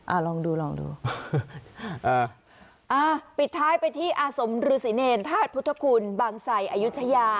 อ่าลองดูลองดูอ่าปิดท้ายไปที่อสมรุษิเนรธาตุพุทธคุณบังสัยอายุทยา